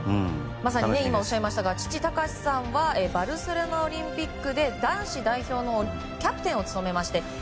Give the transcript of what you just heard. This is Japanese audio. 今おっしゃいましたが父・孝さんはバルセロナオリンピックで男子代表のキャプテンを務めました。